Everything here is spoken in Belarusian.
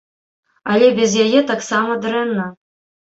Але без яе таксама дрэнна.